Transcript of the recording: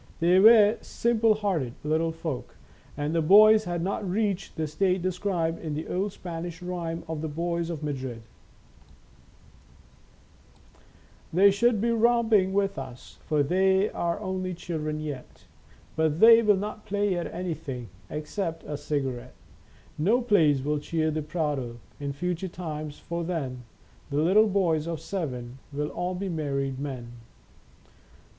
They were simple hearted little folk, and the boys had not reached the state described in the old Spanish rhyme of the boys of Madrid :" They should be romping with us, For they are only children yet ; But they will not play at anything Except a cigarette. No plays will cheer the Prado In future times, for then The little boys of seven Will all be married men."